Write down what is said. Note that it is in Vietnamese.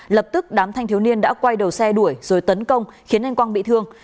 lập tức đám thanh thiếu niên đã quay đầu xe đuổi rồi tấn công khiến anh quang bị thương